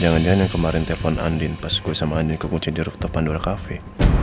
jangan jangan yang kemarin telfon andin pas gue sama andin kekunci di rooftop pandora cafe